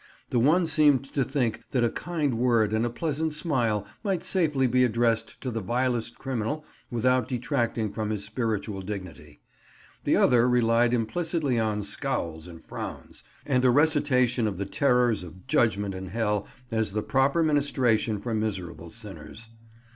The one seemed to think that a kind word and a pleasant smile might safely be addressed to the vilest criminal without detracting from his spiritual dignity; the other relied implicitly on scowls and frowns, and a recitation of the terrors of judgment and hell as the proper ministration for miserable sinners.